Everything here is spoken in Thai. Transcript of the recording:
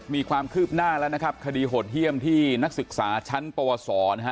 มีความคืบหน้าแล้วนะครับคดีโหดเยี่ยมที่นักศึกษาชั้นปวสอนะฮะ